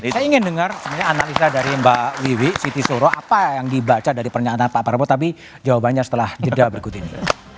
saya ingin dengar sebenarnya analisa dari mbak wiwi siti soro apa yang dibaca dari pernyataan pak prabowo tapi jawabannya setelah jeda berikut ini